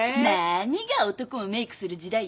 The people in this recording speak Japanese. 何が男もメークする時代よ。